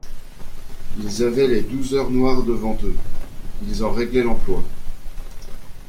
Ils avaient les douze heures noires devant eux ; ils en réglaient l’emploi.